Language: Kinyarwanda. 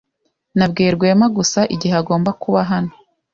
Nabwiye Rwema gusa igihe agomba kuba hano.